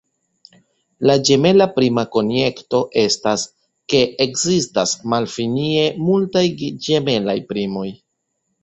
La ĝemela prima konjekto estas, ke ekzistas malfinie multaj ĝemelaj primoj.